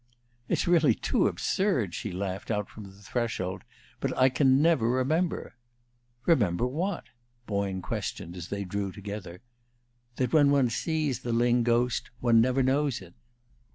"It's really too absurd," she laughed out from the threshold, "but I never can remember!" "Remember what?" Boyne questioned as they drew together. "That when one sees the Lyng ghost one never knows it."